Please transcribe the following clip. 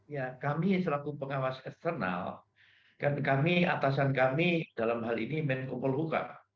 ya kami selaku pengawas eksternal kan kami atasan kami dalam hal ini menko polhukam